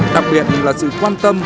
đặc biệt là sự quan tâm